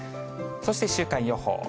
そして週間予報。